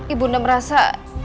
ibu nda merasa